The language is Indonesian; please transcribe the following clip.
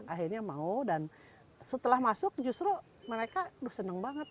akhirnya mau dan setelah masuk justru mereka senang banget